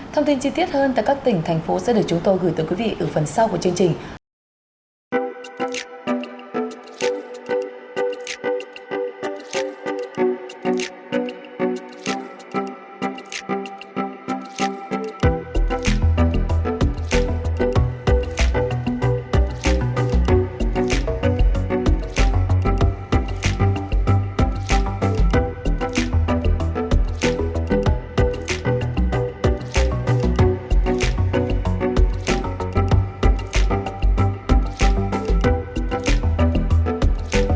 thông tin chi tiết hơn tại các tỉnh thành phố sẽ được chúng tôi gửi tới quý vị ở phần sau của chương trình